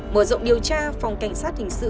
mở rộng điều tra phòng cảnh sát hình sự